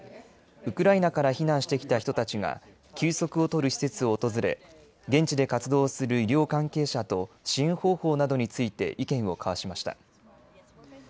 ウクライナから避難してきた人たちが休息を取る施設を訪れ現地で活動する医療関係者と支援方法などについて意見を交わしました。